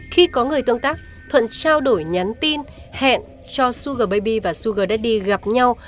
khi có người tương tác thuận trao đổi nhắn tin hẹn cho sugar baby và sugar daddy gặp nhau